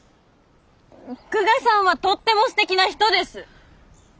久我さんはとってもすてきな人です！